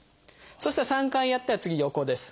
そしたら３回やったら次横です。